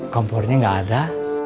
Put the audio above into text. kompornya enggak ada